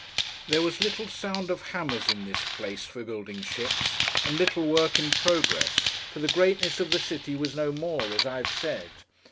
There was little sound of hammers in this place for building ships, and little work in progress; for the greatness of the city was no more, as I have said.